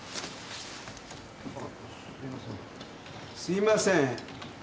すいません。